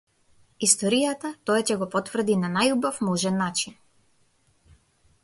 Историјата тоа ќе го потврди на најубав можен начин.